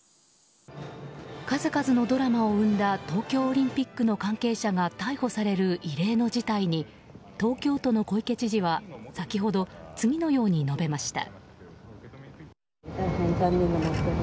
数々のドラマを生んだ東京オリンピックの関係者が逮捕される異例の事態に東京都の小池知事は先ほど次のように述べました。